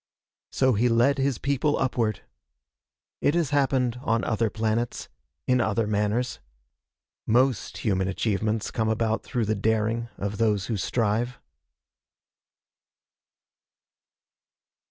So he led his people upward. It has happened on other planets, in other manners. Most human achievements come about through the daring of those who strive.